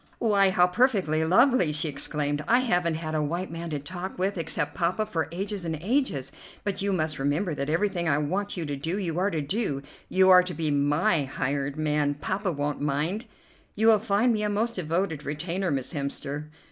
"Why, how perfectly lovely!" she exclaimed. "I haven't had a white man to talk with except Poppa for ages and ages. But you must remember that everything I want you to do, you are to do. You are to be my hired man; Poppa won't mind." "You will find me a most devoted retainer, Miss Hemster."